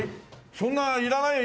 そんないらないよ。